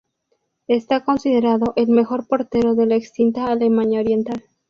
Está considerado el mejor portero de la extinta Alemania Oriental.